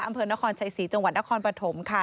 อำเภนนครใส่ศรีจังหวัดนครผัดฐมค่ะ